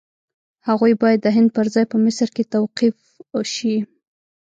هغوی باید د هند پر ځای په مصر کې توقیف شي.